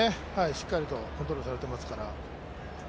しっかりとコントロールされていますから。